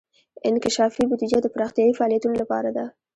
انکشافي بودیجه د پراختیايي فعالیتونو لپاره ده.